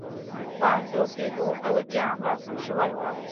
په انځور کې د اوبو جام رسم شوی و.